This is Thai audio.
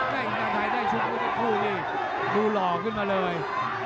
ได้อินาทายได้ชุดกับทุกผู้นี่ดูหล่อขึ้นมาเลย